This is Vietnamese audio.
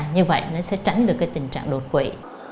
như vậy nó sẽ tránh được cái tình trạng đột quỷ